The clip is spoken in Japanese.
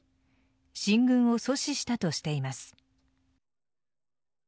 進軍を阻止したとしています。